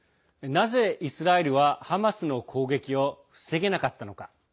なぜイスラエルはハマスの攻撃を防げなかったのか。